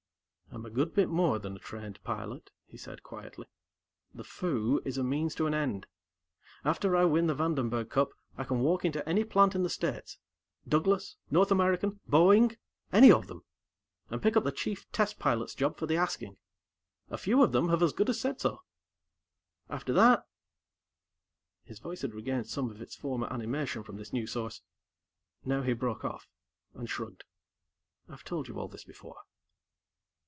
"I'm a good bit more than a trained pilot," he said quietly. "The Foo Is a means to an end. After I win the Vandenberg Cup, I can walk into any plant in the States Douglas, North American, Boeing any of them and pick up the Chief Test Pilot's job for the asking. A few of them have as good as said so. After that " His voice had regained some of its former animation from this new source. Now he broke off, and shrugged. "I've told you all this before."